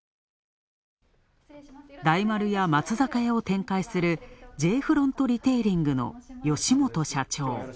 大丸や松坂屋を展開するＪ．フロントリテイリングの好本社長。